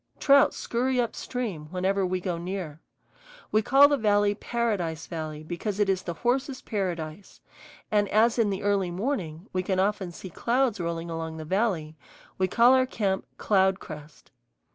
Trout scurry up stream whenever we go near. We call the valley Paradise Valley because it is the horses' paradise. And as in the early morning we can often see clouds rolling along the valley, we call our camp Cloudcrest.